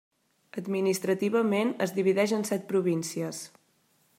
Administrativament es divideix en set províncies: